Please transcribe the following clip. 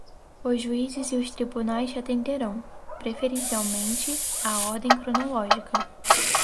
Os juízes e os tribunais atenderão, preferencialmente, à ordem cronológica